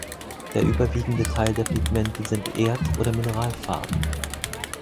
Der überwiegende Teil der Pigmente sind Erd- oder Mineralfarben.